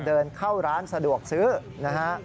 เดินเข้าร้านสะดวกซื้อนะฮะ